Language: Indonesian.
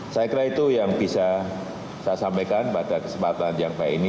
saya kira itu yang bisa saya sampaikan pada kesempatan yang baik ini